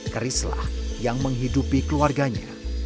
kerislah yang menghidupi keluarganya